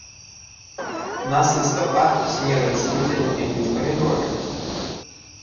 У нас лістапад, снежань, студзень ідуць памідоры.